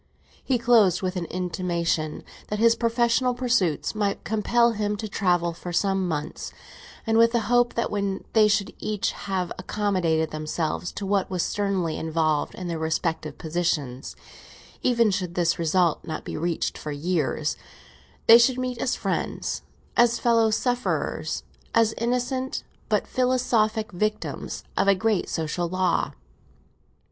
He closed with an intimation that his professional pursuits might compel him to travel for some months, and with the hope that when they should each have accommodated themselves to what was sternly involved in their respective positions—even should this result not be reached for years—they should meet as friends, as fellow sufferers, as innocent but philosophic victims of a great social law.